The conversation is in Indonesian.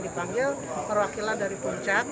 dipanggil perwakilan dari puncak